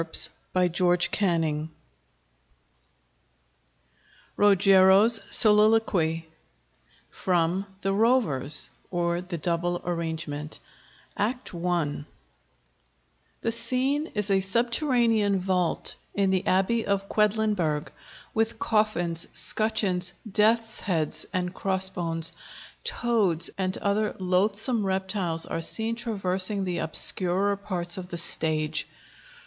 Therry, were published in 1828. ROGERO'S SOLILOQUY From 'The Rovers; or the Double Arrangement' ACT I _The scene is a subterranean vault in the Abbey of Quedlinburgh, with coffins, 'scutcheons, death's heads, and cross bones; toads and other loathsome reptiles are seen traversing the obscurer parts of the stage.